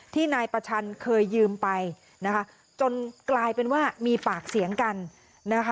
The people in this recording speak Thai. นายประชันเคยยืมไปนะคะจนกลายเป็นว่ามีปากเสียงกันนะคะ